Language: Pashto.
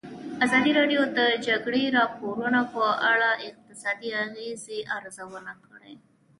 ازادي راډیو د د جګړې راپورونه په اړه د اقتصادي اغېزو ارزونه کړې.